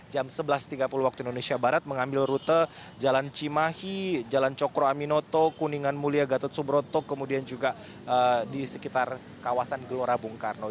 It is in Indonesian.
jam sebelas tiga puluh waktu indonesia barat mengambil rute jalan cimahi jalan cokro aminoto kuningan mulia gatot subroto kemudian juga di sekitar kawasan gelora bung karno